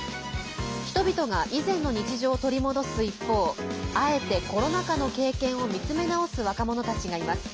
人々が以前の日常を取り戻す一方あえてコロナ禍の経験を見つめ直す若者たちがいます。